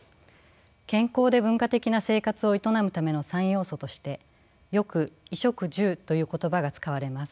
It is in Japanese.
健康で文化的な生活を営むための三要素としてよく衣食住という言葉が使われます。